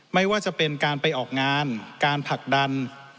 ไม่ว่าจะเป็นการไปออกงานการผลักดัน